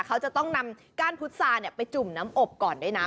เขาจะต้องนำก้านพุษาไปจุ่มน้ำอบก่อนด้วยนะ